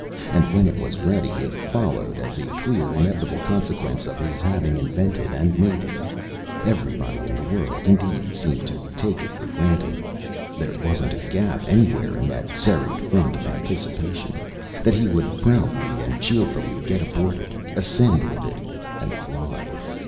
And when it was ready, it followed as a clear inevitable consequence of his having invented and made it everybody in the world, indeed, seemed to take it for granted; there wasn't a gap anywhere in that serried front of anticipation that he would proudly and cheerfully get aboard it, ascend with it, and fly.